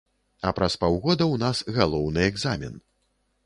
А праз паўгода ў нас галоўны экзамен.